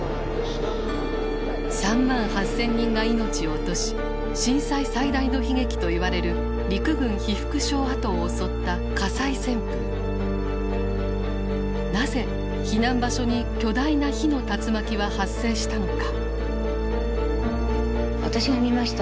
３万８，０００人が命を落とし震災最大の悲劇といわれるなぜ避難場所に巨大な火の竜巻は発生したのか。